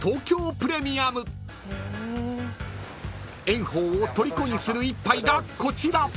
［炎鵬をとりこにする一杯がこちら］